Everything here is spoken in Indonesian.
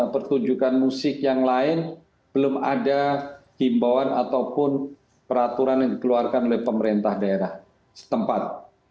pertunjukan musik yang lain belum ada himbauan ataupun peraturan yang dikeluarkan oleh pemerintah daerah setempat